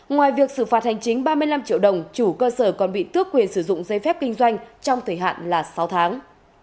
ngoài việc xử phạt hành chính ba mươi năm triệu đồng chủ cơ sở còn bị tước quyền sử dụng dây phép kinh doanh trong thời hạn là sáu tháng